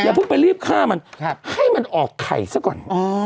เพิ่งไปรีบฆ่ามันให้มันออกไข่ซะก่อน